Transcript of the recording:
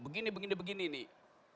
begini begini begini nih